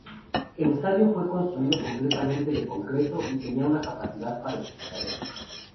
El Estadio fue construido completamente de concreto, y tenía una capacidad para espectadores.